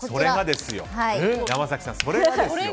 山崎さん、それがですよ。